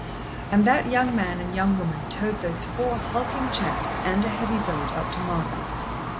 And that young man and young woman towed those four hulking chaps and a heavy boat up to Marlow.